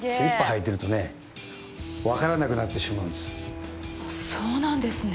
履いてるとね分からなくなってしまうんですそうなんですね